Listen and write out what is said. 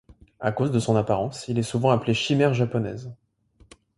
À cause de son apparence, il est souvent appelé chimère japonaise.